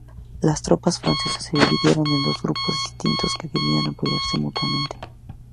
Las tropas francesas se dividieron en dos grupos distintos que debían apoyarse mutuamente.